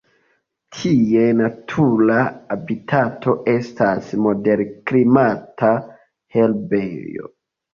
Ties natura habitato estas moderklimata herbejo.